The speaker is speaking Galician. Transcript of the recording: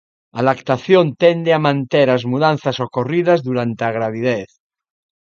A lactación tende a manter as mudanzas ocorridas durante a gravidez.